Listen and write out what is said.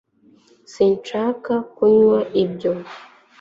sinshaka kunywa ibyo